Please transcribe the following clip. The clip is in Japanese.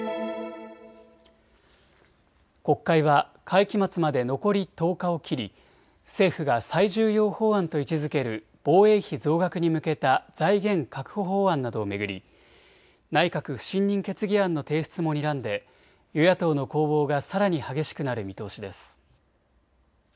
国会は会期末まで残り１０日を切り政府が最重要法案と位置づける防衛費増額に向けた財源確保法案などを巡り内閣不信任決議案の提出もにらんで与野党の攻防がさらに激しくなる見通しです。